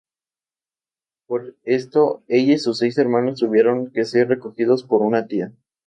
Por esto, ella y sus seis hermanos tuvieron que ser recogidos por una tía.